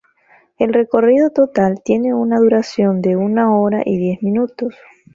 El recorrido total tiene una duración de una hora y diez minutos.